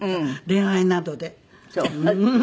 恋愛などで？